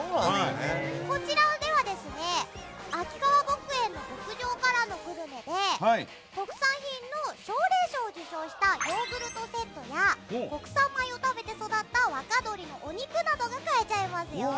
こちらでは秋川牧園の牧場からのグルメで特産品の奨励賞を受賞したヨーグルトセットや国産米を食べて育った若鶏のお肉などが買えちゃいますよ！